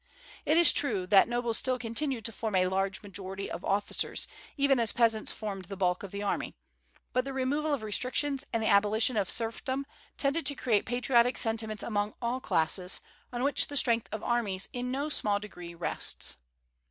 It is true that nobles still continued to form a large majority of officers, even as peasants formed the bulk of the army. But the removal of restrictions and the abolition of serfdom tended to create patriotic sentiments among all classes, on which the strength of armies in no small degree rests.